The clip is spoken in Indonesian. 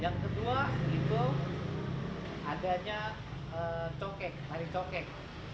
yang kedua itu adanya cokek hari cokek